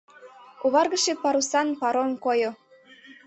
Оваргыше парусан паром койо.